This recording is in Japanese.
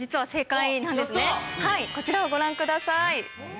こちらをご覧ください。